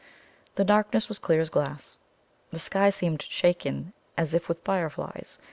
The darkness was clear as glass. The sky seemed shaken as if with fire flies.